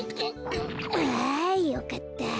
あよかった。